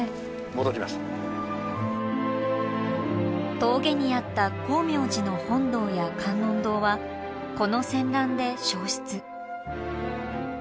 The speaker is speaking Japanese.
峠にあった光明寺の本堂や観音堂はこの戦乱で焼失。